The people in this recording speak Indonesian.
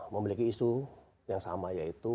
memiliki isu yang sama yaitu